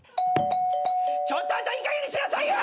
・・ちょっとあんたいいかげんにしなさいよ！